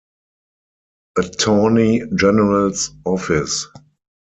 Attorney General's office.